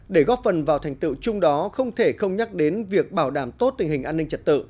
để góp phần vào thành tựu chung đó không thể không nhắc đến việc bảo đảm tốt tình hình an ninh trật tự